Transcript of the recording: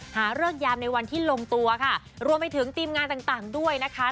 เลิกยามในวันที่ลงตัวค่ะรวมไปถึงทีมงานต่างต่างด้วยนะคะ